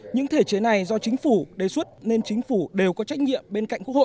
những thể chế này do chính phủ đề xuất nên chính phủ đều có trách nhiệm bên cạnh quốc hội